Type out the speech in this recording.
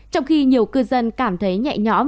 trong khi nhiều cư dân cảm thấy nhẹ nhõm